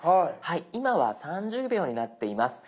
今は３０秒になっています。